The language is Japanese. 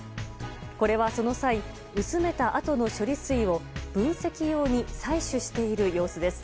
これはその際薄めたあとの処理水を分析用に採取している様子です。